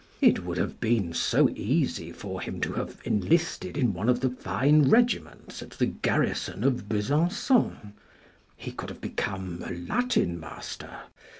It would have been so easy for him to have enlisted in one of the fine regiments at the garrison of Besancon. He could have become a Latin master.